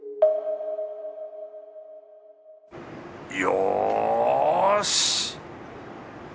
よし！